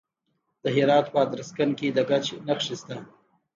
د هرات په ادرسکن کې د ګچ نښې شته.